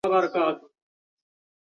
আহ, একটু দাঁড়াও।